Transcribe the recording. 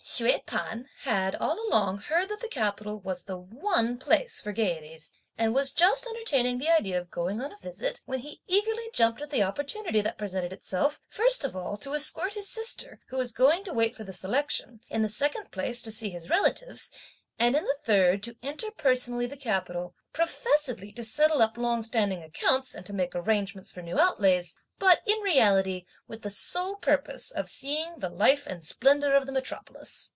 Hsüeh P'an had all along heard that the capital was the one place for gaieties, and was just entertaining the idea of going on a visit, when he eagerly jumped at the opportunity (that presented itself,) first of all to escort his sister, who was going to wait for the selection, in the second place to see his relatives, and in the third to enter personally the capital, (professedly) to settle up long standing accounts, and to make arrangements for new outlays, but, in reality, with the sole purpose of seeing the life and splendour of the metropolis.